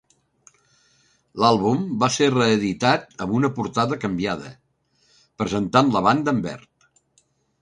L'àlbum va ser reeditat amb una portada canviada, presentant la banda en verd.